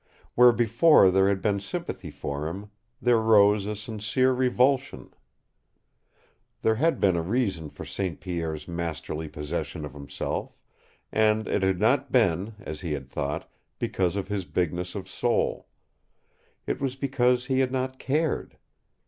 Where before there had been sympathy for him, there rose a sincere revulsion. There had been a reason for St. Pierre's masterly possession of himself, and it had not been, as he had thought, because of his bigness of soul. It was because he had not cared.